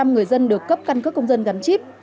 người dân được cấp căn cước công dân gắn chip